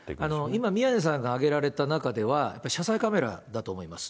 今、宮根さんが挙げられた中では、やっぱり車載カメラだと思います。